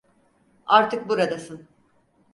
Artık buradasın.